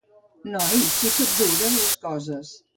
—Noi, si que et duren les coses…